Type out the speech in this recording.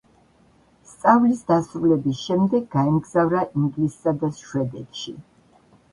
სწავლის დასრულების შემდეგ, გაემგზავრა ინგლისსა და შვედეთში.